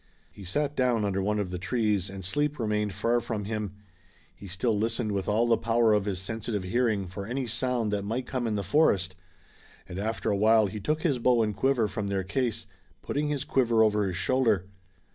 He sat down under one of the trees and sleep remained far from him. He still listened with all the power of his sensitive hearing for any sound that might come in the forest, and after awhile he took his bow and quiver from their case, putting his quiver over his shoulder.